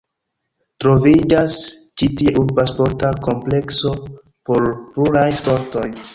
Troviĝas ĉi tie urba sporta komplekso por pluraj sportoj.